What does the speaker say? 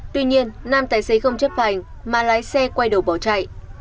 tuy nhiên nam tài xế không chấp hành mà lái xe quay đầu bỏ chạy